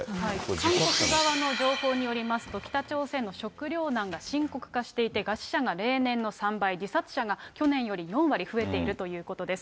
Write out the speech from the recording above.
韓国側の情報によりますと、北朝鮮の食料難が深刻化していて、餓死者が例年の３倍、自殺者が去年より４割増えているということです。